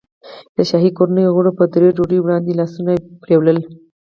د شاهي کورنۍ غړیو به تر ډوډۍ وړاندې لاسونه وینځل.